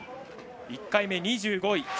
１回目、２５位。